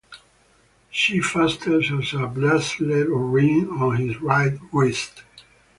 She fastens a bracelet or ring on his right wrist.